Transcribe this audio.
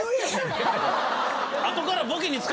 後から。